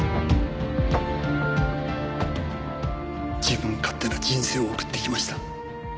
自分勝手な人生を送ってきました。